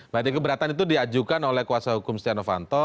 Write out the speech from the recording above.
berarti keberatan itu diajukan oleh kuasa hukum stiano fanto